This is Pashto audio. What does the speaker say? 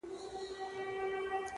پاس پر پالنگه اكثر ـ